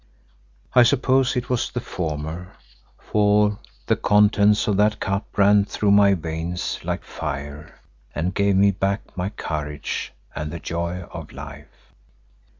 I suppose it was the former, for the contents of that cup ran through my veins like fire and gave me back my courage and the joy of life.